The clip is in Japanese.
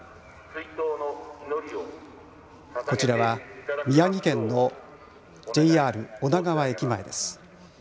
こちらは宮城県のＪＲ女川駅前です。